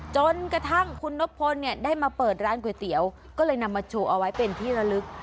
จนกระทั่งคุณนบพลเนี่ยได้มาเปิดร้านก๋วยเตี๋ยวก็เลยนำมาโชว์เอาไว้เป็นที่ระลึก